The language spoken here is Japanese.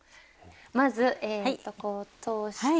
まずえっとこう通して。